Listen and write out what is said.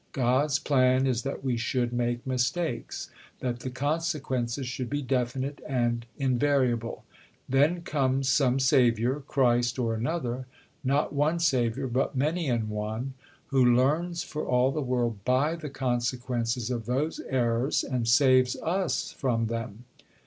"God's plan is that we should make mistakes, that the consequences should be definite and invariable; then comes some Saviour, Christ or another, not one Saviour, but many an one, who learns for all the world by the consequences of those errors, and 'saves' us from them....